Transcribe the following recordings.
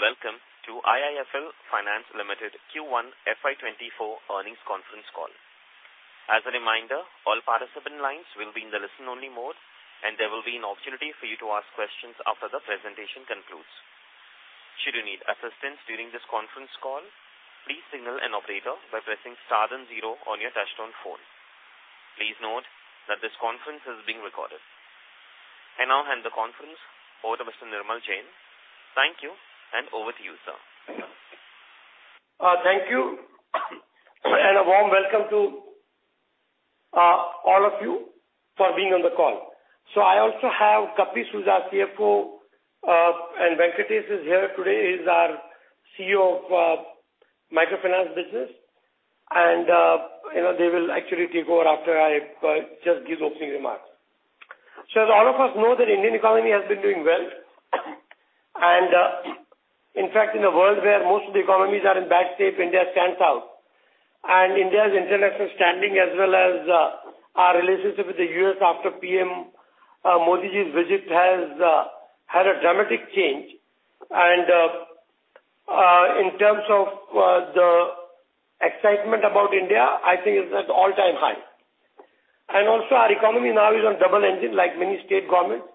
Good day, and welcome to IIFL Finance Limited Q1 FY24 earnings conference call. As a reminder, all participant lines will be in the listen-only mode, and there will be an opportunity for you to ask questions after the presentation concludes. Should you need assistance during this conference call, please signal an operator by pressing star then zero on your touch-tone phone. Please note that this conference is being recorded. I now hand the conference over to Mr. Nirmal Jain. Thank you, and over to you, sir. Thank you, a warm welcome to all of you for being on the call. I also have Kapish Sousa, CFO, and Venkates is here today, he's our CEO of microfinance business. You know, they will actually take over after I just give opening remarks. As all of us know that Indian economy has been doing well. In fact, in a world where most of the economies are in bad shape, India stands out. India's international standing, as well as, our relationship with the U.S. after PM Modi's visit has had a dramatic change. In terms of the excitement about India, I think it's at all-time high. Also, our economy now is on double engine, like many state governments.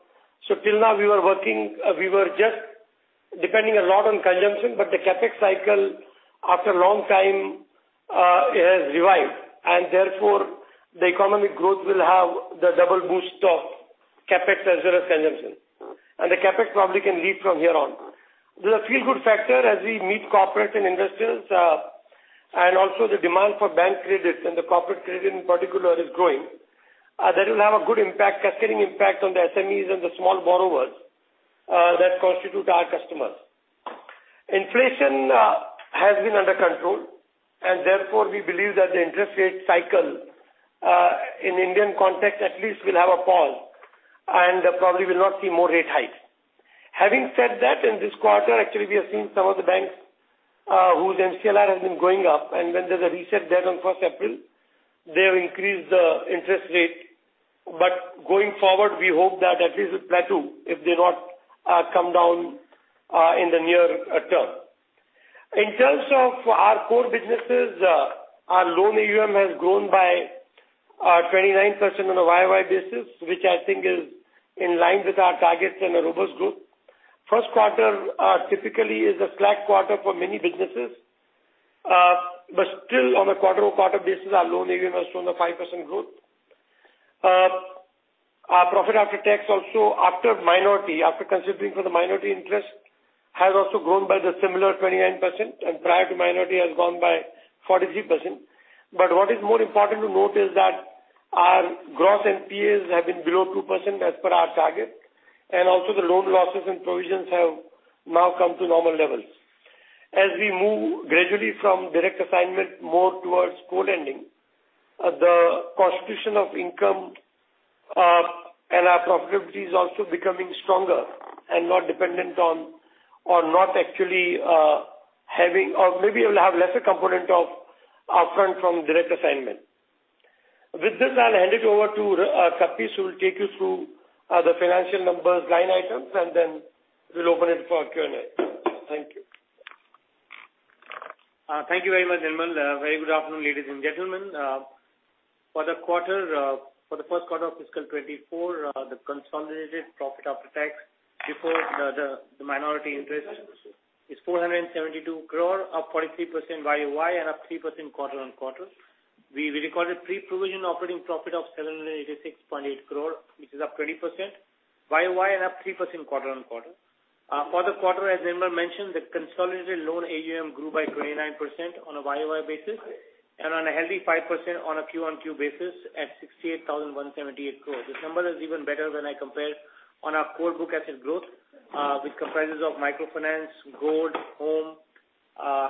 Till now, we were working, we were just depending a lot on consumption, but the CapEx cycle, after a long time, it has revived, and therefore, the economic growth will have the double boost of CapEx as well as consumption. The CapEx probably can lead from here on. There's a feel-good factor as we meet corporate and investors, and also the demand for bank credits, and the corporate credit in particular, is growing. That will have a good impact, cascading impact on the SMEs and the small borrowers, that constitute our customers. Inflation has been under control, and therefore, we believe that the interest rate cycle, in Indian context, at least, will have a fall, and probably will not see more rate hikes. Having said that, in this quarter, actually, we have seen some of the banks whose MCLR has been going up, and when there's a reset there on 1st April, they have increased the interest rate. Going forward, we hope that at least it will plateau, if they not come down in the near term. In terms of our core businesses, our loan AUM has grown by 29% on a YOY basis, which I think is in line with our targets and a robust growth. 1st quarter typically is a slack quarter for many businesses, but still, on a quarter-over-quarter basis, our loan AUM has shown a 5% growth. Our profit after tax, also after minority, after considering for the minority interest, has also grown by the similar 29%, and prior to minority, has grown by 43%. What is more important to note is that our gross NPAs have been below 2%, as per our target, and also the loan losses and provisions have now come to normal levels. As we move gradually from Direct Assignment more towards whole lending, the constitution of income, and our profitability is also becoming stronger and not dependent on or not actually, having or maybe it will have lesser component of upfront from Direct Assignment. With this, I'll hand it over to Kapi, who will take you through the financial numbers, line items, and then we'll open it for Q&A. Thank you. Thank you very much, Nirmal. Very good afternoon, ladies and gentlemen. For the quarter, for the first quarter of fiscal 2024, the consolidated profit after tax, before the minority interest is 472 crore, up 43% YOY, up 3% quarter-on-quarter. We, we recorded pre-provision operating profit of 786.8 crore, which is up 20% YOY, up 3% quarter-on-quarter. For the quarter, as Nirmal mentioned, the consolidated loan AUM grew by 29% on a YOY basis, on a healthy 5% on a Q-on-Q basis at 68,178 crore. This number is even better when I compare on our core book asset growth, which comprises of microfinance, gold, home,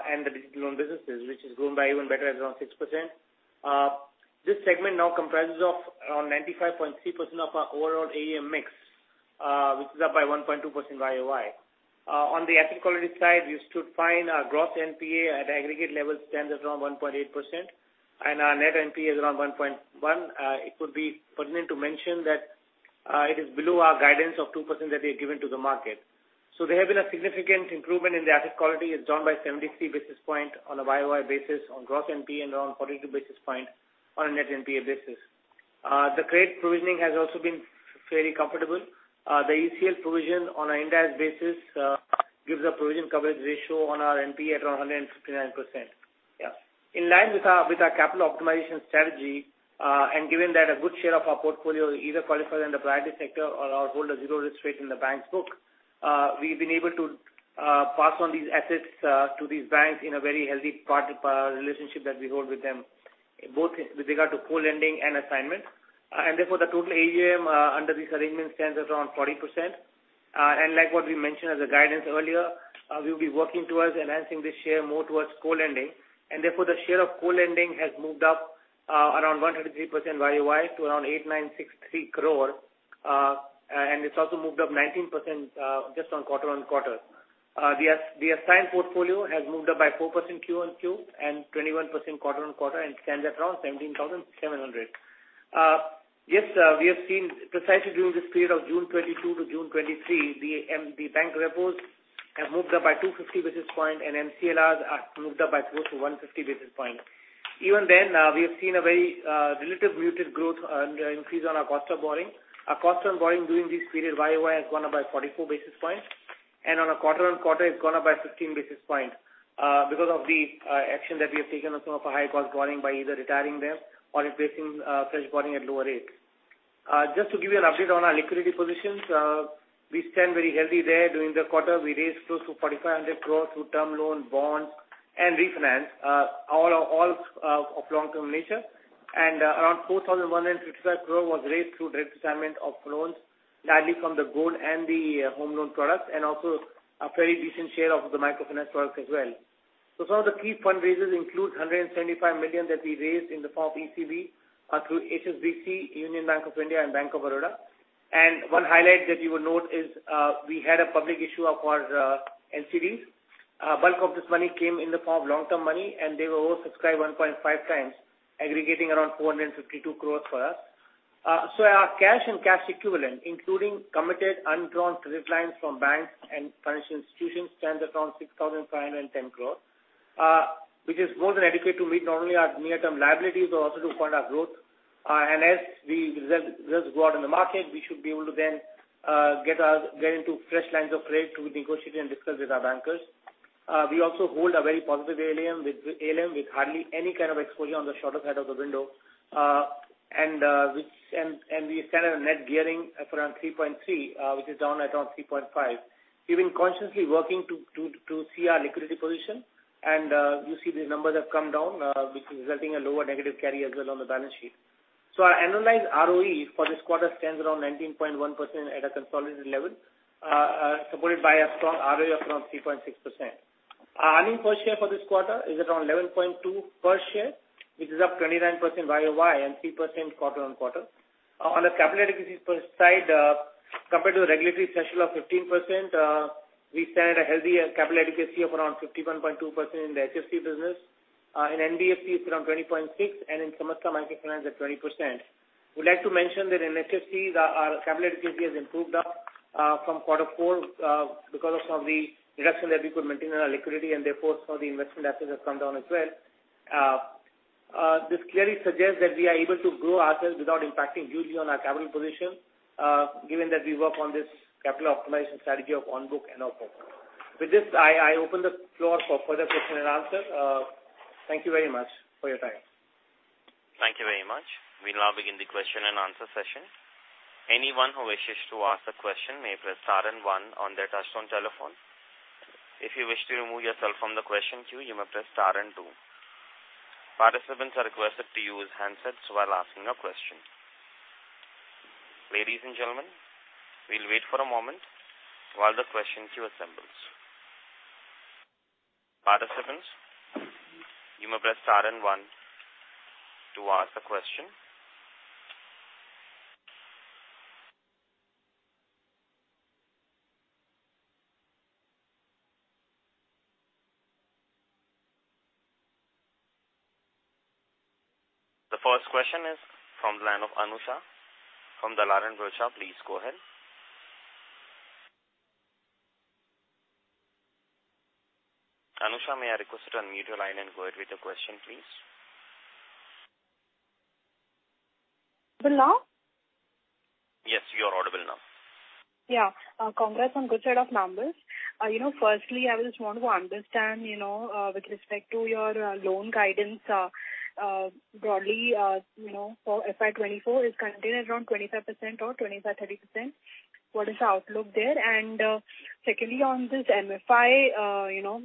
and the digital loan businesses, which has grown by even better as around 6%. This segment now comprises of around 95.3% of our overall AUM mix, which is up by 1.2% YOY. On the asset quality side, you should find our gross NPA at aggregate level stands at around 1.8%, and our net NPA is around 1.1%. It would be pertinent to mention that, it is below our guidance of 2% that we have given to the market. There have been a significant improvement in the asset quality, is down by 73 basis point on a YOY basis on gross NPA, and around 42 basis point on a net NPA basis. The credit provisioning has also been fairly comfortable. The ECL provision on an indirect basis, gives a provision coverage ratio on our NPA at around 159%. Yeah. In line with our, with our capital optimization strategy, and given that a good share of our portfolio either qualify in the priority sector or hold a zero-risk rate in the bank's book, we've been able to pass on these assets to these banks in a very healthy partner relationship that we hold with them, both with regard to whole lending and assignment. Therefore, the total AUM under this arrangement stands at around 40%. Like what we mentioned as a guidance earlier, we'll be working towards enhancing this share more towards co-lending, and therefore, the share of co-lending has moved up around 103% YOY to around 8,963 crore. It's also moved up 19% just on quarter on quarter. The assigned portfolio has moved up by 4% Q-on-Q and 21% quarter on quarter and stands at around 17,700. Yes, we have seen precisely during this period of June 2022 to June 2023, the bank repos have moved up by 250 basis points, and MCLRs are moved up by close to 150 basis points. Even then, we have seen a very little muted growth and increase on our cost of borrowing. Our cost on borrowing during this period YOY has gone up by 44 basis points, and on a quarter-on-quarter, it's gone up by 15 basis points, because of the action that we have taken on some of the high cost borrowing by either retiring them or replacing fresh borrowing at lower rates. Just to give you an update on our liquidity positions, we stand very healthy there. During the quarter, we raised close to 4,500 crore through term loan, bonds, and refinance, all, all of long-term nature. Around 4,155 crore was raised through Direct Assignment of loans, largely from the gold and the home loan product, and also a very decent share of the microfinance product as well. Some of the key fundraisers include 175 million that we raised in the form of ECB through HSBC, Union Bank of India, and Bank of Baroda. One highlight that you will note is, we had a public issue of our NCDs. Bulk of this money came in the form of long-term money, and they were oversubscribed 1.5 times, aggregating around 452 crores for us. Our cash and cash equivalent, including committed undrawn credit lines from banks and financial institutions, stands around 6,510 crores, which is more than adequate to meet not only our near-term liabilities but also to fund our growth. As we reserve, reserve go out in the market, we should be able to then get into fresh lines of credit to negotiate and discuss with our bankers. We also hold a very positive ALM with hardly any kind of exposure on the shorter side of the window. We stand at a net gearing around 3.3, which is down around 3.5. We've been consciously working to see our liquidity position, and you see the numbers have come down, which is resulting a lower negative carry as well on the balance sheet. Our annualized ROE for this quarter stands around 19.1% at a consolidated level, supported by a strong ROA of around 3.6%. Our earnings per share for this quarter is around 11.2 per share, which is up 29% YOY and 3% quarter-on-quarter. On a capital efficiency per side, compared to the regulatory threshold of 15%, we stand a healthy capital efficiency of around 51.2% in the HFC business. In NBFC, it's around 20.6, and in Samasta Microfinance at 20%. We'd like to mention that in HFC, our capital efficiency has improved up from quarter four because of some of the reduction that we could maintain in our liquidity, and therefore, some of the investment assets have come down as well. This clearly suggests that we are able to grow ourselves without impacting hugely on our capital position, given that we work on this capital optimization strategy of on book and off book. With this, I, I open the floor for further question and answer. Thank you very much for your time. Thank you very much. We now begin the question and answer session. Anyone who wishes to ask a question may press star and one on their touchtone telephone. If you wish to remove yourself from the question queue, you may press star and two. Participants are requested to use handsets while asking a question. Ladies and gentlemen, we'll wait for a moment while the question queue assembles. Participants, you may press star and one to ask a question. The first question is from the line of Anusha from Dalal & Broacha. Please go ahead. Anusha, may I request you to unmute your line and go ahead with the question, please? Audible now? Yes, you are audible now. Yeah. Congrats on good set of numbers. You know, firstly, I would just want to understand, you know, with respect to your loan guidance, broadly, you know, for FY24, is contained around 25% or 25%-30%. What is the outlook there? Secondly, on this MFI, you know,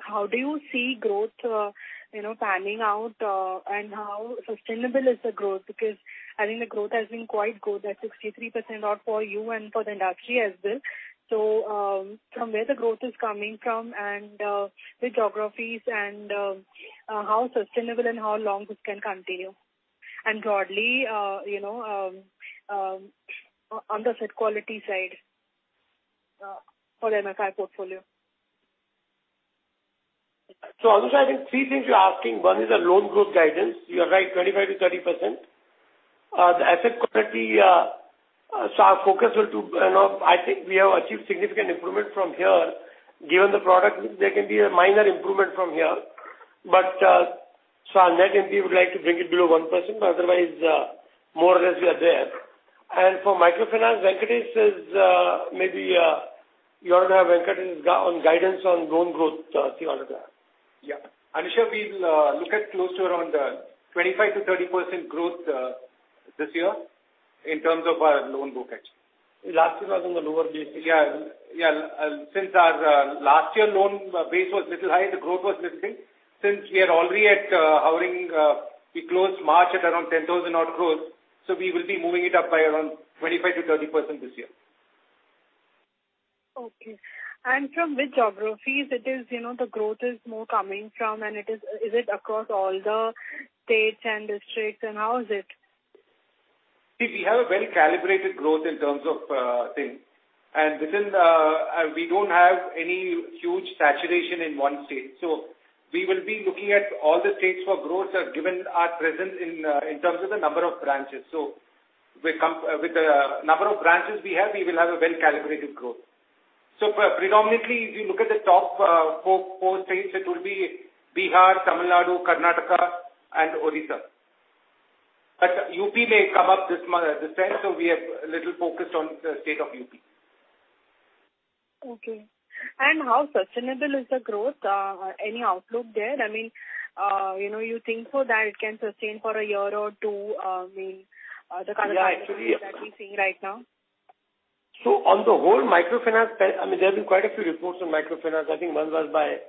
how do you see growth, you know, panning out, and how sustainable is the growth? Because I think the growth has been quite good, at 63% odd for you and for the industry as well. From where the growth is coming from and the geographies and how sustainable and how long this can continue? Broadly, you know, on the asset quality side for the MFI portfolio. Anusha, I think three things you're asking. One is the loan growth guidance. You are right, 25% to 30%. The asset quality, so our focus will... You know, I think we have achieved significant improvement from here. Given the product, there can be a minor improvement from here. Our net NP, we would like to bring it below 1%, but otherwise, more or less, we are there. For microfinance, Venkatesh says, maybe, you want to have Venkatesh on guidance on loan growth, see all of that. Yeah. Anusha, we'll look at close to around 25%-30% growth this year in terms of our loan book actually. Last year was on the lower base. Yeah. Yeah, since our last year loan base was little high, the growth was little big. We are already at hovering, we closed March at around 10,000 odd growth, so we will be moving it up by around 25%-30% this year. Okay. From which geographies, you know, the growth is more coming from, and is it across all the states and districts, and how is it? We, we have a well-calibrated growth in terms of things. and within the, we don't have any huge saturation in one state. We will be looking at all the states for growth, given our presence in, in terms of the number of branches. With the number of branches we have, we will have a well-calibrated growth. Pre-predominantly, if you look at the top, four, four states, it will be Bihar, Tamil Nadu, Karnataka, and Odisha. UP may come up this month, this time, so we are a little focused on the state of UP. Okay. How sustainable is the growth? Any outlook there? I mean, you know, you think so that it can sustain for a year or two, I mean, the kind of growth- Yeah, actually. that we're seeing right now? On the whole microfinance side, I mean, there have been quite a few reports on microfinance. I think one was by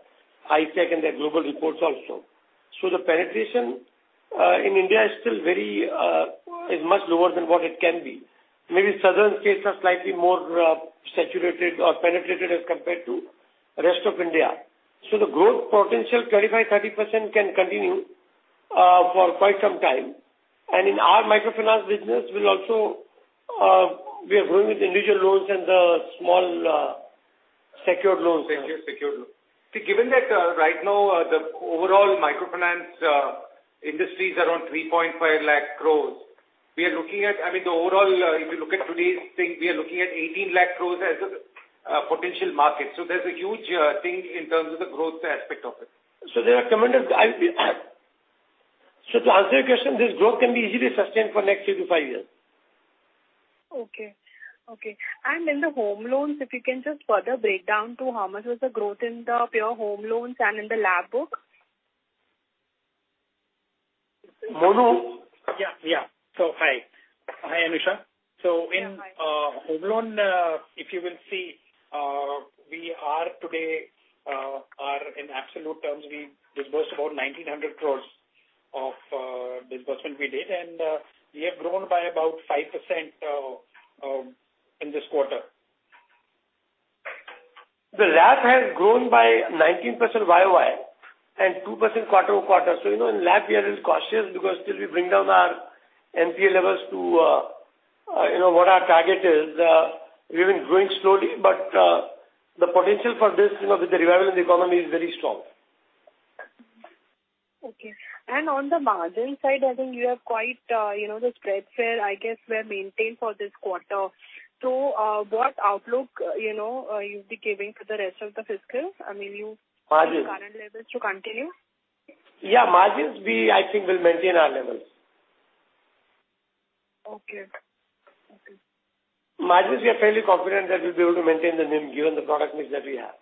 IFC and their global reports also. The penetration in India is still very, is much lower than what it can be. Maybe southern states are slightly more saturated or penetrated as compared to rest of India. The growth potential, 35%, 30% can continue for quite some time. In our microfinance business, we'll also, we are growing with individual loans and the small, secured loans. Secured, secured loans. See, given that, right now, the overall microfinance industry is around 3.5 lakh crores, we are looking at, I mean, the overall, if you look at today's thing, we are looking at 18 lakh crores as a potential market. There's a huge thing in terms of the growth aspect of it. There are tremendous, I feel. To answer your question, this growth can be easily sustained for next three to five years. Okay. Okay, and in the home loans, if you can just further break down to how much was the growth in the pure home loans and in the LAP book? Monu? Yeah, yeah. Hi. Hi, Anusha. Yeah, hi. In home loan, if you will see, we are today are in absolute terms, we disbursed about 1,900 crore of disbursement we did, and we have grown by about 5% in this quarter. The LAP has grown by 19% YOY, and 2% quarter-over-quarter. You know, in LAP, we are a little cautious because till we bring down our NPA levels to, you know, what our target is, we've been growing slowly, but, the potential for this, you know, with the revival in the economy, is very strong. Okay. On the margin side, I think you have quite, you know, the spreads were, I guess, were maintained for this quarter. What outlook, you know, you'd be giving for the rest of the fiscal? I mean, you- Margins. current levels to continue? Yeah, margins, we, I think, will maintain our levels. Okay. Okay. Margins, we are fairly confident that we'll be able to maintain the NIM, given the product mix that we have.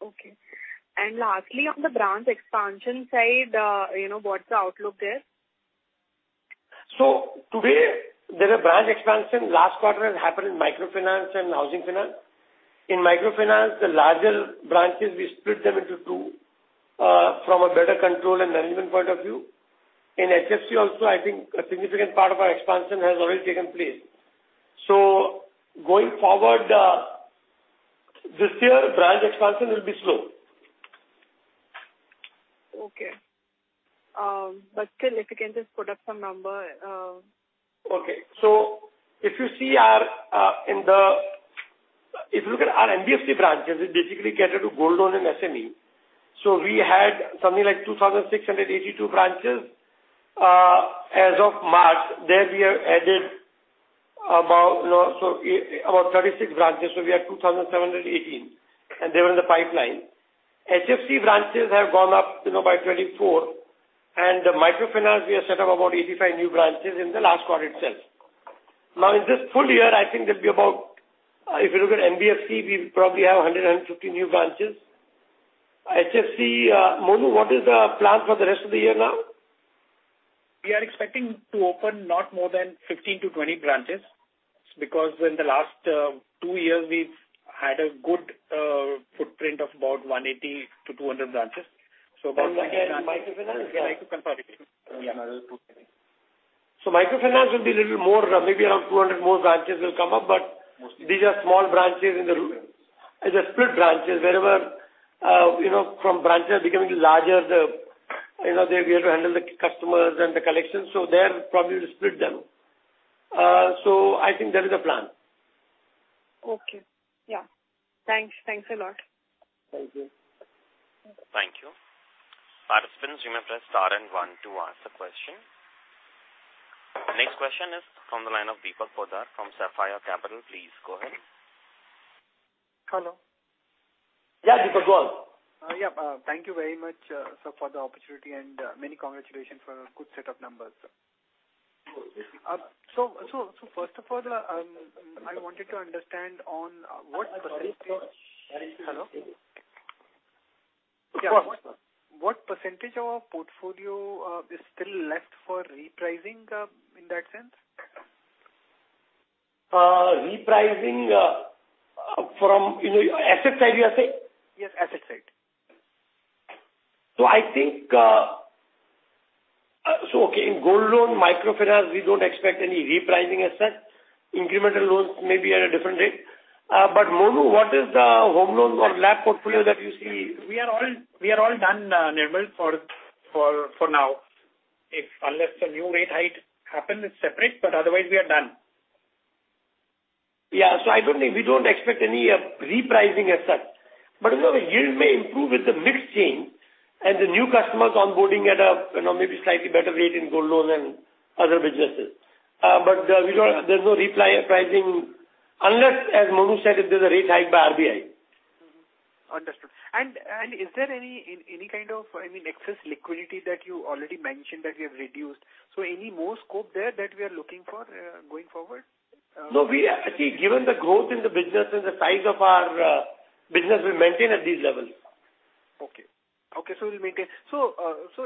Okay. Lastly, on the branch expansion side, you know, what's the outlook there? Today, there's a branch expansion. Last quarter, it happened in microfinance and housing finance. In microfinance, the larger branches, we split them into two from a better control and management point of view. In HFC also, I think a significant part of our expansion has already taken place. Going forward, this year, branch expansion will be slow. Okay. Still, if you can just put up some number. Okay. If you see our, in the... If you look at our NBFC branches, we basically cater to gold loan and SME. We had something like 2,682 branches. As of March, there we have added about, you know, 36 branches, so we are 2,718, and they were in the pipeline. HFC branches have gone up, you know, by 24, and the microfinance, we have set up about 85 new branches in the last quarter itself. Now, in this full year, I think there'll be about, if you look at NBFC, we probably have 150 new branches. HFC, Monu, what is the plan for the rest of the year now? We are expecting to open not more than 15 to 20 branches, because in the last, two years, we've had a good, footprint of about 180 to 200 branches. So about- Microfinance? Yeah, microfinance. microfinance will be a little more, maybe around 200 more branches will come up, but these are small branches in the room. As I split branches, wherever, you know, from branches becoming larger, they'll be able to handle the customers and the collections, so there, probably to split them. I think that is the plan. Okay. Yeah. Thanks. Thanks a lot. Thank you. Thank you. Participants, you may press star and one to ask the question. The next question is from the line of Deepak Poddar from Sapphire Capital. Please go ahead. Hello. Yeah, Deepal, go on. Yeah, thank you very much, sir, for the opportunity, and many congratulations for a good set of numbers. Thank you. First of all, I wanted to understand on, what percentage-. I'm sorry. Hello? Yes. What % of our portfolio is still left for repricing in that sense? Repricing, from, you know, asset side, you say? Yes, asset side. o, okay, in gold loan, microfinance, we don't expect any repricing as such. Incremental loans may be at a different rate. But Monu, what is the home loan or LAP portfolio that you see We are all done, Neville, for now.... if unless a new rate hike happens, it's separate, but otherwise we are done. I don't think, we don't expect any repricing as such. You know, the yield may improve with the mix change, and the new customers onboarding at a, you know, maybe slightly better rate in gold loans and other businesses. There's no repricing, unless, as Monu said, if there's a rate hike by RBI. Mm-hmm. Understood. Is there any, any kind of, I mean, excess liquidity that you already mentioned that you have reduced? Any more scope there that we are looking for going forward? No, we, I think, given the growth in the business and the size of our business, we maintain at this level. Okay. Okay, we'll maintain. So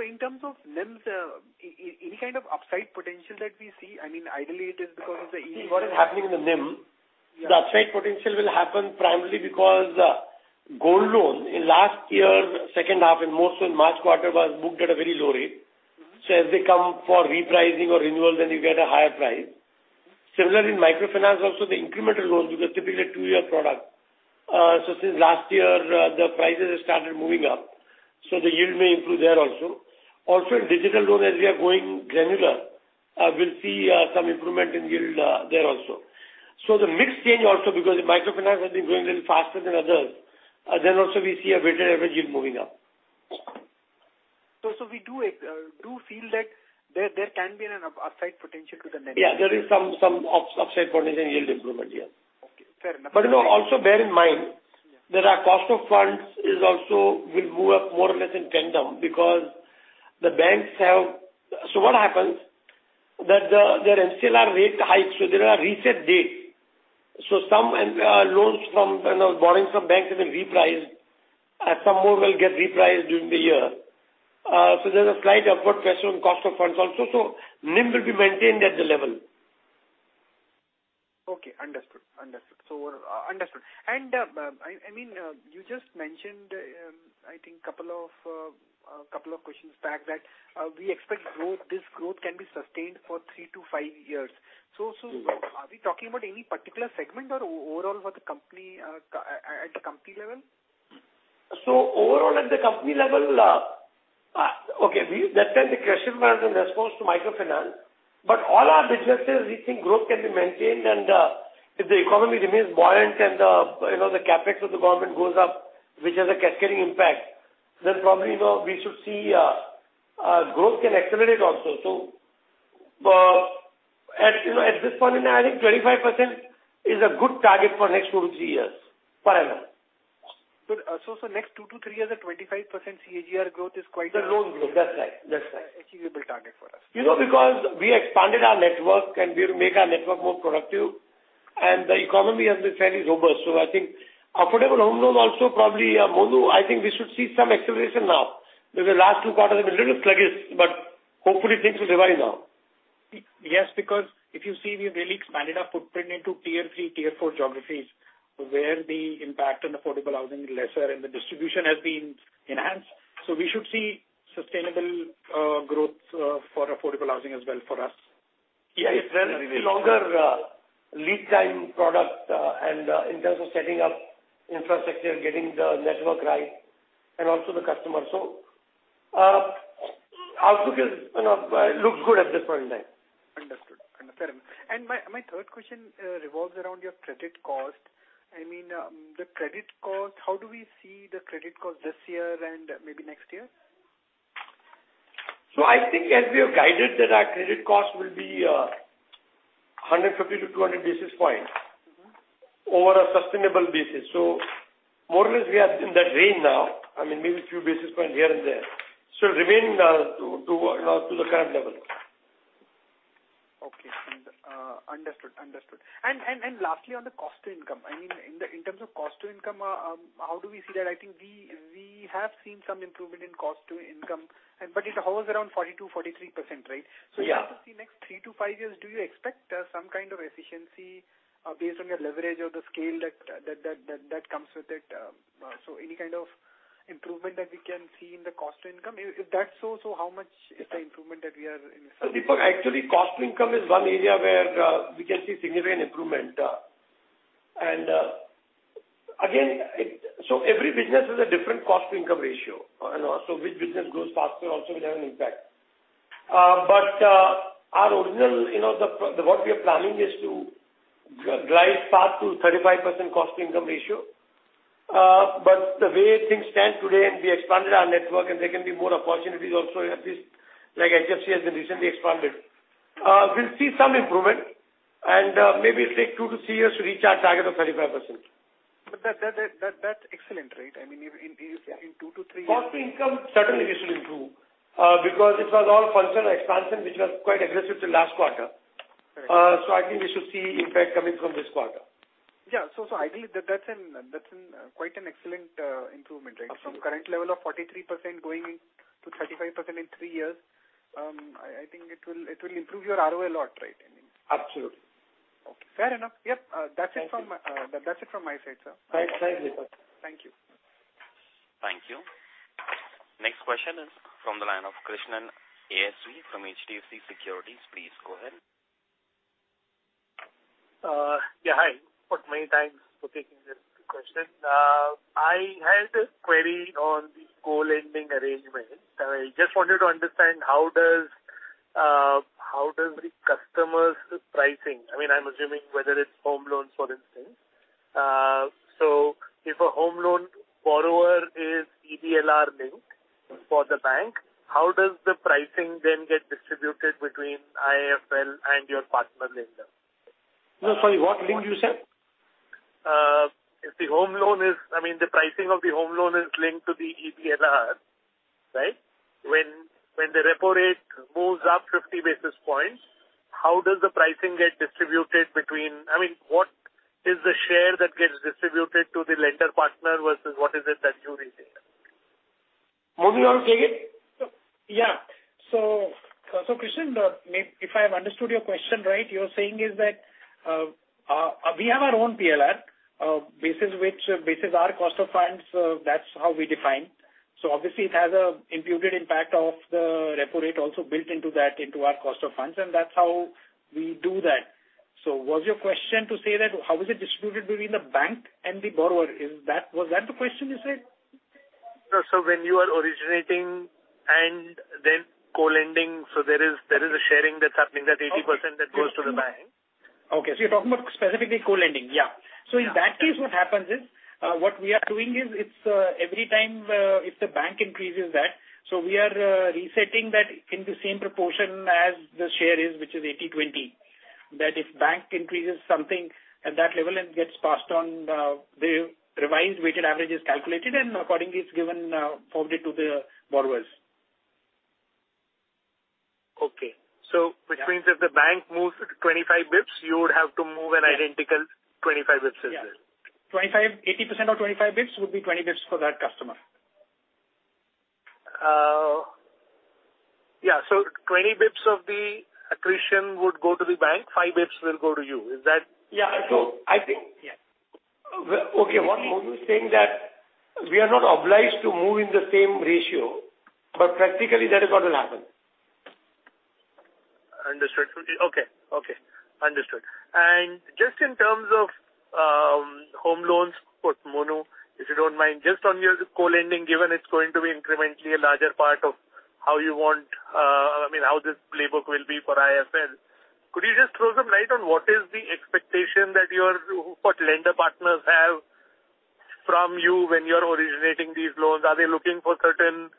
in terms of NIMs, any kind of upside potential that we see? I mean, ideally, it is because of the- See, what is happening in the NIM. Yeah. the upside potential will happen primarily because, gold loan in last year, second half, and more so in March quarter, was booked at a very low rate. Mm-hmm. As they come for repricing or renewal, then you get a higher price. Similarly, in microfinance also, the incremental loans, because typically a two-year product, so since last year, the prices have started moving up, so the yield may improve there also. Also, in digital loan, as we are going granular, we'll see some improvement in yield there also. The mix change also, because the microfinance has been growing a little faster than others, then also we see a weighted average yield moving up. so we do, do feel that there, there can be an upside potential to the NIM? Yeah, there is some, some upside potential in yield improvement, yeah. Okay, fair enough. You know, also bear in mind. Yeah. that our cost of funds is also, will move up more or less in tandem, because the banks have. What happens, that the, their MCLR rate hikes, so there are reset date. Some loans from, you know, borrowing from banks have been repriced, and some more will get repriced during the year. There's a slight upward pressure on cost of funds also, so NIM will be maintained at the level. Okay, understood. Understood. Understood. I mean, you just mentioned, I think couple of, couple of questions back, that we expect growth, this growth can be sustained for 3 to 5 years. Mm-hmm. So are we talking about any particular segment or overall for the company, at, at the company level? Overall at the company level, okay, we, that time the question was in response to microfinance, but all our businesses, we think growth can be maintained. If the economy remains buoyant and, you know, the CapEx of the government goes up, which has a cascading impact, then probably, you know, we should see, growth can accelerate also. At, you know, at this point in time, I think 25% is a good target for next 2-3 years for HDFC. Good. Next 2-3 years, a 25% CAGR growth is quite. The loan growth, that's right. That's right. Achievable target for us. You know, because we expanded our network, and we will make our network more productive, and the economy, as I said, is robust. I think affordable home loans also probably, Monu, I think we should see some acceleration now. The last two quarters have been a little sluggish, but hopefully things will revive now. Yes, because if you see, we've really expanded our footprint into tier three, tier four geographies, where the impact on affordable housing is lesser and the distribution has been enhanced. We should see sustainable, growth, for affordable housing as well for us. Yeah, it's a longer, lead time product, and, in terms of setting up infrastructure, getting the network right, and also the customer. Outlook is, you know, looks good at this point in time. Understood. Understood. My, my third question revolves around your credit cost. I mean, the credit cost, how do we see the credit cost this year and maybe next year? I think as we have guided, that our credit cost will be, 150 to 200 basis points. Mm-hmm. over a sustainable basis. More or less, we are in that range now, I mean, maybe a few basis points here and there. Remaining to the current level. Okay. understood. Understood. Lastly, on the cost to income, I mean, in the, in terms of cost to income, how do we see that? I think we, we have seen some improvement in cost to income, and but it hovers around 42, 43%, right? Yeah. In the next 3-5 years, do you expect some kind of efficiency based on your leverage or the scale that, that, that, that comes with it? Any kind of improvement that we can see in the cost to income? If, if that's so, so how much is the improvement that we are in search of? Deepak, actually, cost to income is one area where we can see significant improvement. Again, it... Every business has a different cost to income ratio, and also which business grows faster also will have an impact. Our original, you know, the, the what we are planning is to drive path to 35% cost to income ratio. The way things stand today, and we expanded our network, and there can be more opportunities also in at least, like HFC has been recently expanded. We'll see some improvement, and maybe it'll take 2-3 years to reach our target of 35%. That, that, that, that's excellent, right? I mean, if in, in 2 to 3 years- Cost to income, certainly we should improve, because it was all functional expansion, which was quite aggressive till last quarter. Right. I think we should see impact coming from this quarter. Yeah. So ideally, that, that's an, that's an, quite an excellent, improvement, right? Absolutely. From current level of 43% going to 35% in three years, I think it will improve your ROA a lot, right? I mean... Absolutely. Okay. Fair enough. Yep, that's it from. Thank you. That's it from my side, sir. Thank you. Thank you. Thank you. Next question is from the line of Krishnan ASV from HDFC Securities. Please go ahead. Yeah, hi. Many thanks for taking this question. I had a query on the co-lending arrangement. I just wanted to understand how does, how does the customer's pricing... I mean, I'm assuming whether it's home loans, for instance. So if a home loan borrower is EBLR linked for the bank, how does the pricing then get distributed between IIFL and your partner lender? No, sorry, what link you said? If the home loan is, I mean, the pricing of the home loan is linked to the EBLR, right? When, when the repo rate moves up 50 basis points, how does the pricing get distributed between... I mean, what is the share that gets distributed to the lender partner versus what is it that you receive? Monu, you want to say it? Yeah. Krishnan, if I have understood your question right, you're saying is that we have our own PLR basis which, basis our cost of funds, so that's how we define. Obviously it has an imputed impact of the repo rate also built into that, into our cost of funds, and that's how we do that. Was your question to say that how is it distributed between the bank and the borrower? Was that the question you said? No. When you are originating and then co-lending, so there is a sharing that's happening, that 80% that goes to the bank. Okay, you're talking about specifically co-lending. Yeah. Yeah. In that case, what happens is, what we are doing is, it's, every time, if the bank increases that, we are resetting that in the same proportion as the share is, which is 80/20. That if bank increases something at that level and gets passed on, the revised weighted average is calculated and accordingly it's given, forwarded to the borrowers. Okay. Yeah. which means if the bank moves it 25 bps, you would have to move an identical 25 bps as well? Yeah. 80% of 25 bps would be 20 bps for that customer. yeah, 20 basis points of the attrition would go to the bank, 5 basis points will go to you. Is that- Yeah. I think- Yeah. Okay, what Monu is saying that we are not obliged to move in the same ratio, but practically, that is what will happen. Understood. Okay, okay, understood. Just in terms of home loans, for Monu, if you don't mind, just on your co-lending, given it's going to be incrementally a larger part of how you want... I mean, how this playbook will be for IIFL, could you just throw some light on what is the expectation that your, what lender partners have from you when you're originating these loans? Are they looking for certain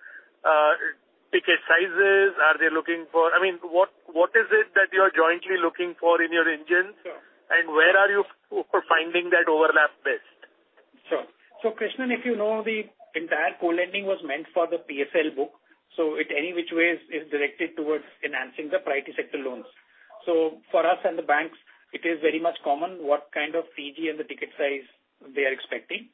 ticket sizes? Are they looking for... I mean, what, what is it that you are jointly looking for in your engines? Sure. Where are you finding that overlap best? Sure. Krishnan, if you know, the entire co-lending was meant for the PSL book, it any which way is, is directed towards enhancing the priority sector loans. For us and the banks, it is very much common what kind of PCG and the ticket size they are expecting.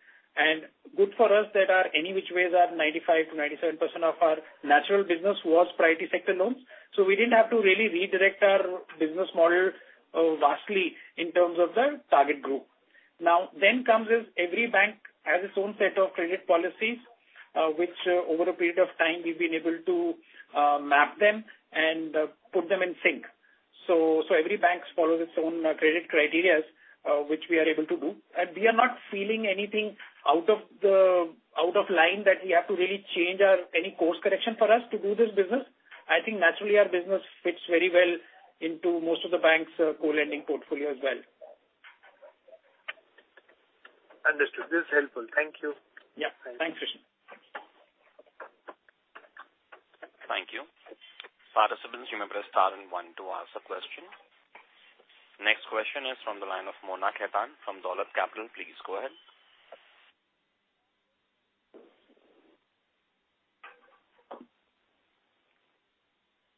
Good for us, that our any which ways, our 95%-97% of our natural business was priority sector loans. We didn't have to really redirect our business model vastly in terms of the target group. Comes is every bank has its own set of credit policies, which over a period of time, we've been able to map them and put them in sync. Every bank follows its own credit criterias, which we are able to do. We are not feeling anything out of the, out of line that we have to really change our, any course correction for us to do this business. I think naturally, our business fits very well into most of the bank's co-lending portfolio as well. Understood. This is helpful. Thank you. Yeah. Thanks, Krishnan. Thank you. Participants, you may press star and 1 to ask a question. Next question is from the line of Mona Khetan from Dolat Capital. Please go ahead.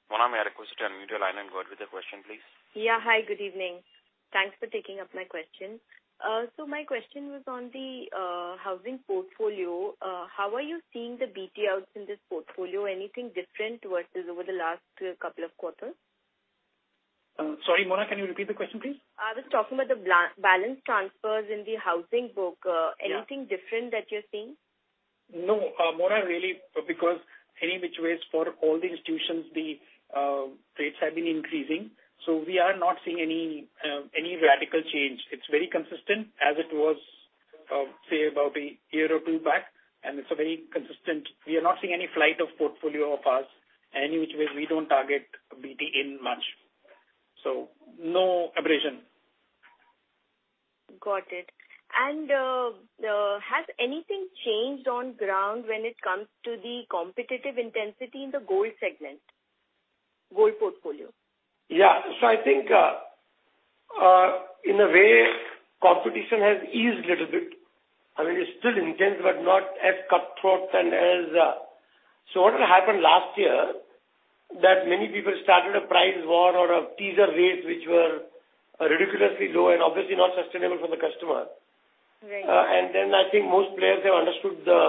Mona, I request you to unmute your line and go ahead with the question, please. Yeah. Hi, good evening. Thanks for taking up my question. My question was on the housing portfolio. How are you seeing the BT outs in this portfolio? Anything different versus over the last 2 quarters? Sorry, Mona, can you repeat the question, please? I was talking about the balance transfers in the housing book. Yeah. Anything different that you're seeing? No, Mona, really, because any which way is for all the institutions, the rates have been increasing, so we are not seeing any radical change. It's very consistent as it was, say, about a year or 2 back, and it's very consistent. We are not seeing any flight of portfolio of ours, any which way we don't target BT in much. No abrasion. Got it. Has anything changed on ground when it comes to the competitive intensity in the gold segment, gold portfolio? Yeah. I think, in a way, competition has eased little bit. I mean, it's still intense, but not as cutthroat and as... What had happened last year, that many people started a price war or a teaser rates, which were ridiculously low and obviously not sustainable for the customer. Right. I think most players have understood the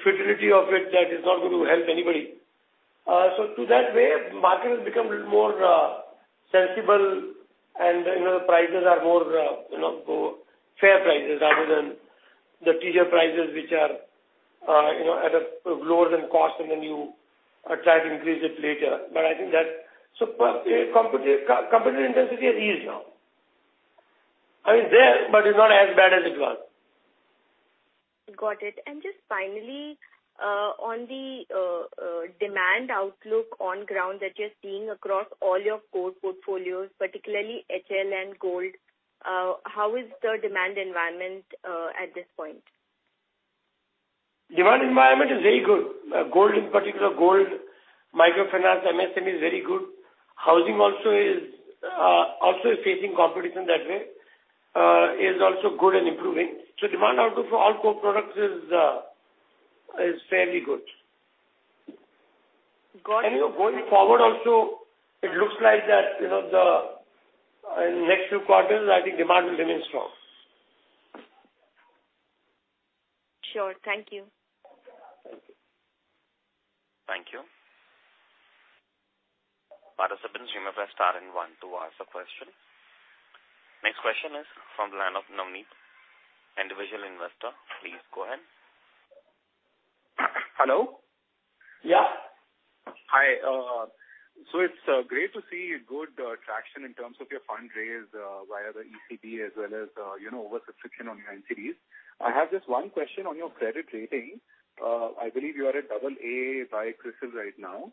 fertility of it, that is not going to help anybody. To that way, market has become a little more sensible, and, you know, the prices are more, you know, more fair prices rather than the teaser prices, which are. you know, at a lower than cost, and then you, try to increase it later. I think that's so competitive, competitive intensity at ease now. I mean, there, but it's not as bad as it was. Got it. Just finally, on the demand outlook on ground that you're seeing across all your core portfolios, particularly HL and Gold, how is the demand environment at this point? Demand environment is very good. Gold in particular, gold, microfinance, MSME is very good. Housing also is, also is facing competition that way, is also good and improving. Demand outlook for all core products is, is fairly good. Got it. going forward also, it looks like that, you know, in the next few quarters, I think demand will remain strong. Sure. Thank you. Thank you. Thank you. Participants, you may press star and 1 to ask a question. Next question is from the line of Navneet, individual investor. Please go ahead. Hello? Yeah. Hi, so it's great to see a good traction in terms of your fundraise via the ECB, as well as, you know, oversubscription on your NCDs. I have just one question on your credit rating. I believe you are at double A by CRISIL right now.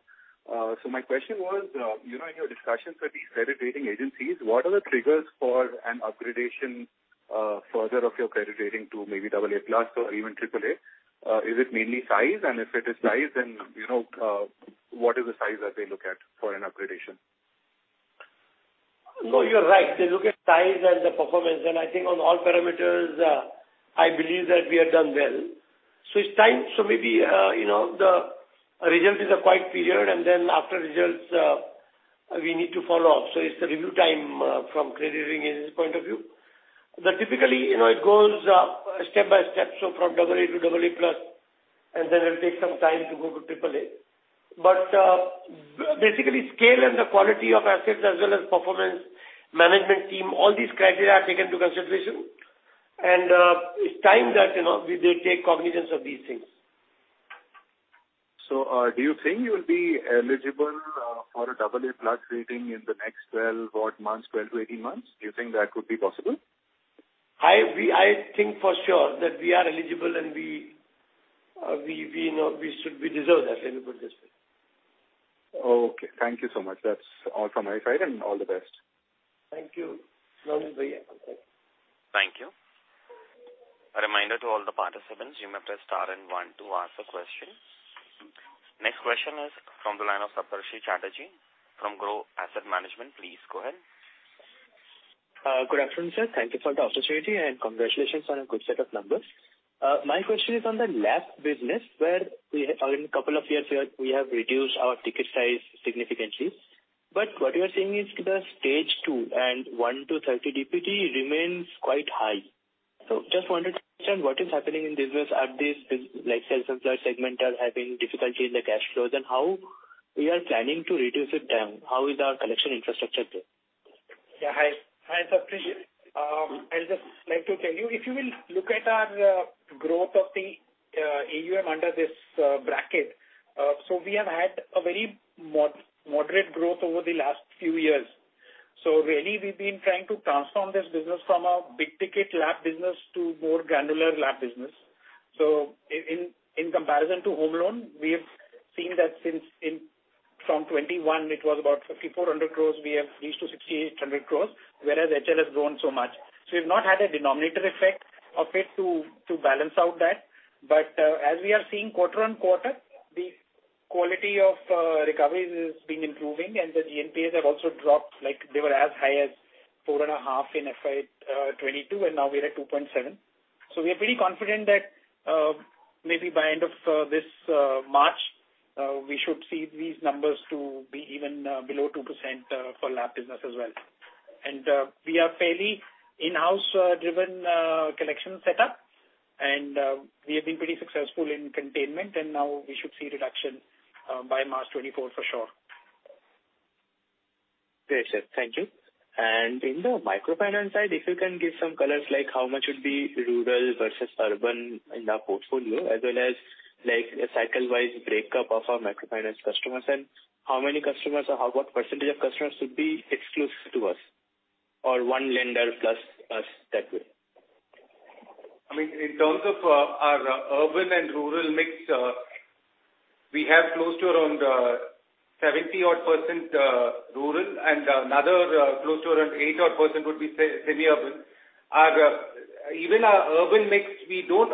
My question was, you know, in your discussions with these credit rating agencies, what are the triggers for an upgradation further of your credit rating to maybe double A plus or even triple A? Is it mainly size? If it is size, then, you know, what is the size that they look at for an upgradation? No, you're right. They look at size and the performance, and I think on all parameters, I believe that we have done well. It's time, so maybe, you know, the result is a quiet period, and then after results, we need to follow up. It's the review time from credit rating agency point of view. Typically, you know, it goes step by step, so from double A to double A plus, and then it'll take some time to go to triple A. Basically, scale and the quality of assets as well as performance, management team, all these criteria are taken into consideration. It's time that, you know, we do take cognizance of these things. Do you think you will be eligible for an AA+ rating in the next 12 odd months, 12-18 months? Do you think that could be possible? I, we, I think for sure that we are eligible and we, we know. We should, we deserve that, let me put it this way. Okay, thank you so much. That's all confirmed and all the best. Thank you, Navneet Bhaiya. Thank you. A reminder to all the participants, you may press star and one to ask a question. Next question is from the line of Saptarshi Chatterjee from Groww Asset Management. Please go ahead. Good afternoon, sir. Thank you for the opportunity, and congratulations on a good set of numbers. My question is on the LAP business, where we have, or in a couple of years, we have reduced our ticket size significantly. What you are saying is the stage 2 and 1-30 DPD remains quite high. Just wanted to understand what is happening in business at this, like, sales and sales segment are having difficulty in the cash flows, and how we are planning to reduce it down? How is our collection infrastructure there? Yeah, hi. Hi, Saptarshi. I'd just like to tell you, if you will look at our growth of the AUM under this bracket, we have had a very moderate growth over the last few years. Really, we've been trying to transform this business from a big-ticket LAP business to more granular LAP business. In comparison to home loan, we have seen that since in, from 2021, it was about 5,400 crore, we have reached to 6,800 crore, whereas HL has grown so much. We've not had a denominator effect of it to, to balance out that. As we are seeing quarter on quarter, the quality of recoveries is being improving and the GNPA have also dropped, like, they were as high as 4.5 in FY2022, and now we're at 2.7. We are pretty confident that maybe by end of this March, we should see these numbers to be even below 2% for LAP business as well. We are fairly in-house driven collection setup, and we have been pretty successful in containment, and now we should see reduction by March 2024 for sure. Great, sir. Thank you. In the microfinance side, if you can give some colors, like how much would be rural versus urban in our portfolio, as well as, like, a cycle-wise breakup of our microfinance customers, and how many customers or how, what % of customers would be exclusive to us or 1 lender plus us that way? I mean, in terms of, our urban and rural mix, we have close to around, 70 odd %, rural, and another, close to around 8 odd % would be semi-urban. Our, even our urban mix, we don't,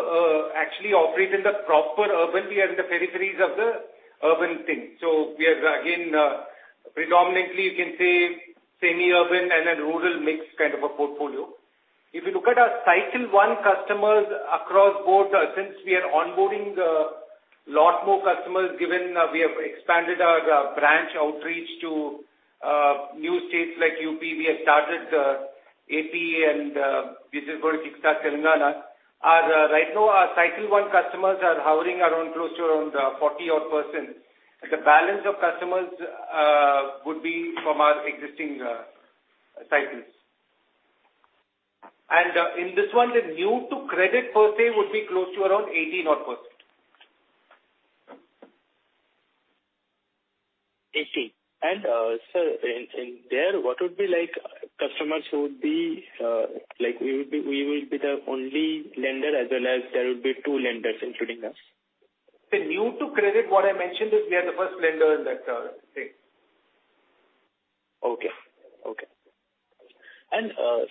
actually operate in the proper urban. We are in the peripheries of the urban thing. We are, again, predominantly, you can say semi-urban and a rural mix kind of a portfolio. If you look at our cycle one customers across board, since we are onboarding, lot more customers, given, we have expanded our, branch outreach to, new states like UP, we have started, AP, and, this is going to kickstart Telangana. Right now, our cycle one customers are hovering around close to around, 40 odd %. The balance of customers would be from our existing cycles. In this one, the new to credit per se would be close to around 80 odd %. 18. Sir, in, in there, what would be like customers who would be, like we would be, we will be the only lender as well as there will be two lenders, including us? The new to credit, what I mentioned is we are the first lender in that thing. Okay. Okay.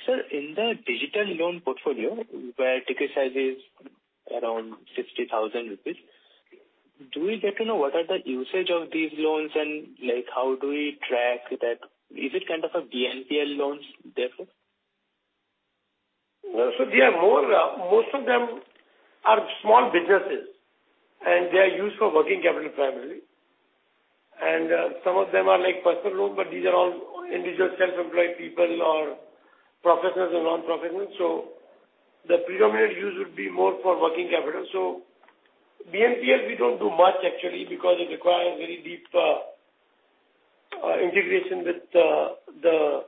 Sir, in the digital loan portfolio, where ticket size is around 60,000 rupees, do we get to know what are the usage of these loans and like how do we track that? Is it kind of a BNPL loans therefore? Well, they are more, most of them are small businesses, and they are used for working capital primarily. Some of them are like personal loans, but these are all individual self-employed people or professionals and non-professionals. The predominant use would be more for working capital. BNPL, we don't do much actually because it requires very deep integration with the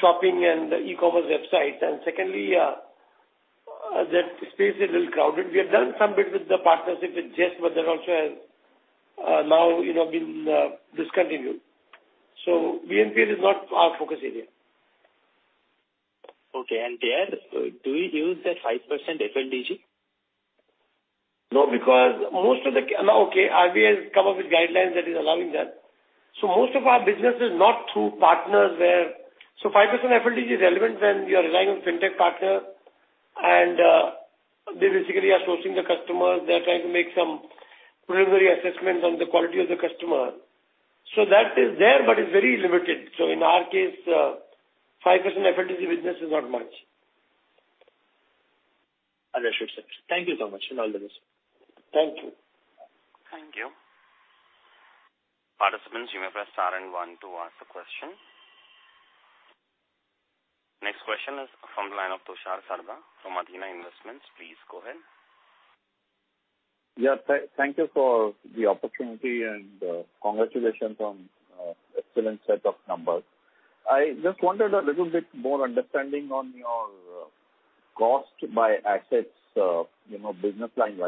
shopping and the e-commerce websites. Secondly, that space is a little crowded. We have done some bit with the partnership with ZestMoney, but that also has, now, you know, been discontinued. BNPL is not our focus area. Okay. There, do we use that 5% FLDG? No, because most of the... Okay, RBI has come up with guidelines that is allowing that. Most of our business is not through partners where... 5% FLDG is relevant when we are relying on fintech partner, and they basically are sourcing the customers. They are trying to make some preliminary assessments on the quality of the customer. That is there, but it's very limited. In our case, 5% FLDG business is not much. Understood, sir. Thank you so much and all the best. Thank you. Thank you. Participants, you may press star 1 to ask the question. Next question is from the line of Tushar Sarda from Athena Investments. Please go ahead. Yeah, thank you for the opportunity, congratulations on excellent set of numbers. I just wondered a little bit more understanding on your cost by assets, you know, business line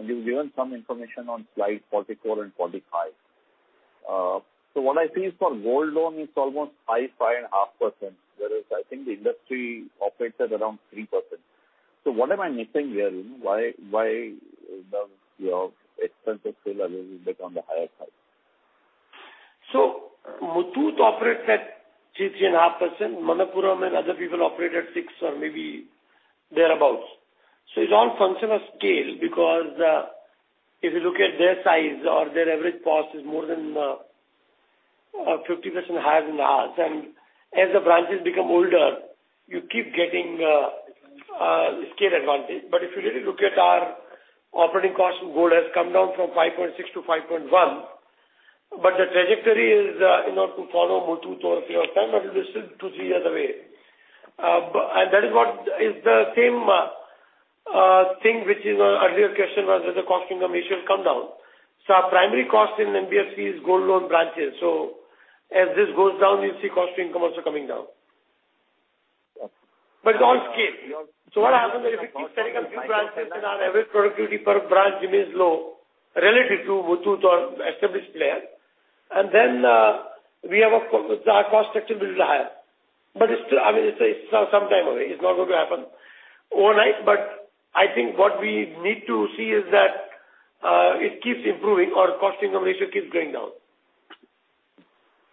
wide, you've given some information on slide 44 and 45. What I see is for gold loan, it's almost 5-5.5%, whereas I think the industry operates at around 3%. What am I missing there? Why, why does your expensive sale a little bit on the higher side? Muthoot operates at 3, 3.5%. Manappuram and other people operate at 6 or maybe thereabout. It's all function of scale, because if you look at their size or their average cost is more than 50% higher than ours. As the branches become older, you keep getting scale advantage. If you really look at our operating costs, gold has come down from 5.6 to 5.1, but the trajectory is, you know, to follow Muthoot or 3 or 10, but it will still two, three years away. That is what is the same thing which is on earlier question was, with the cost income, it should come down. Our primary cost in NBFC is gold loan branches. As this goes down, you'll see cost income also coming down. It's on scale. What happens is, if you keep selling a few branches and our average productivity per branch remains low relative to Muthoot or established player, and then, our cost structure will be higher. It's still, I mean, it's, it's some time away. It's not going to happen overnight, but I think what we need to see is that it keeps improving or cost income ratio keeps going down.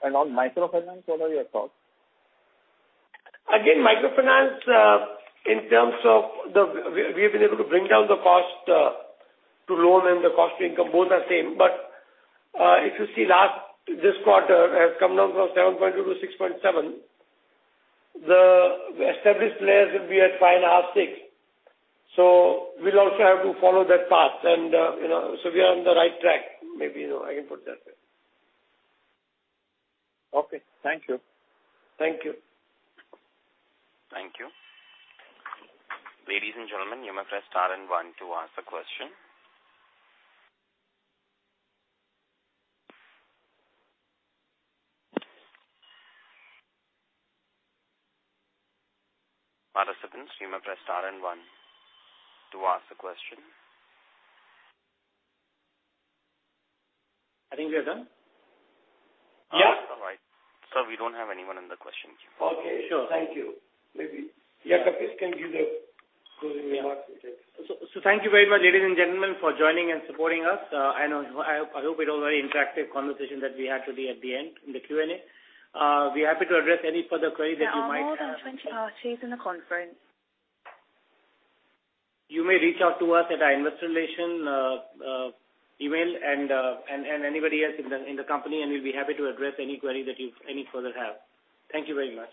On microfinance, what are your thoughts? Microfinance, in terms of the... We, we have been able to bring down the cost, to loan and the cost income, both are same. If you see last, this quarter has come down from 7.2 to 6.7. The established players will be at 5.5, 6. We'll also have to follow that path. You know, so we are on the right track. Maybe, you know, I can put it that way. Okay. Thank you. Thank you. Thank you. Ladies and gentlemen, you may press star and 1 to ask the question. Participants, you may press star and 1 to ask the question. I think we are done? Yeah. All right. Sir, we don't have anyone in the question queue. Okay. Sure. Thank you. Maybe, yeah, Kapish can give the closing remarks. Thank you very much, ladies and gentlemen, for joining and supporting us. I know, I hope, I hope it was a very interactive conversation that we had today at the end, in the Q&A. We're happy to address any further queries that you might have. There are more than 20 parties in the conference. You may reach out to us at our investor relation email, and anybody else in the company, and we'll be happy to address any query that you any further have. Thank you very much.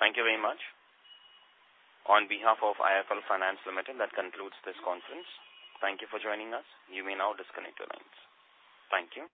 Thank you very much. On behalf of IIFL Finance Limited, that concludes this conference. Thank you for joining us. You may now disconnect your lines. Thank you.